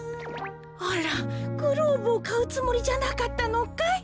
あらグローブをかうつもりじゃなかったのかい？